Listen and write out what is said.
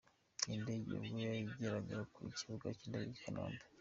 Iyi ndege ubwo yageraga ku kibuga cy'indege i Kanombe.